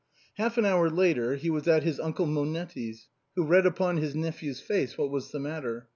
Half an hour later he was at his Uncle Monetti's, who read upon his nephew's face what was the matter.